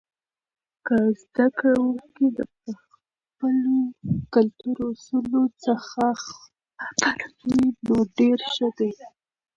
که زده کوونکي د خپلو کلتور اصولو څخه خبر وي، نو ډیر ښه دی.